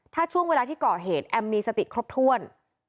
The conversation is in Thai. ถ้าช่วงเวลาที่ก่อเหตุแอมมีสติครบถ้วน